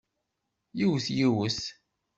Yiwet yiwet!